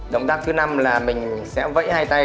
động tác thứ năm là mình sẽ vẫy hai tay